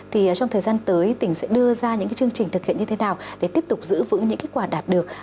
thì trong thời gian tới tỉnh sẽ đưa ra những chương trình thực hiện như thế nào để tiếp tục giữ vững những kết quả đạt được